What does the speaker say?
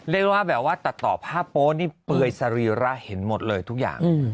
เรียกว่าแบบว่าตัดต่อผ้าโป๊นี่เปลือยสรีระเห็นหมดเลยทุกอย่าง